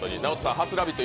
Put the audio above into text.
初「ラヴィット！」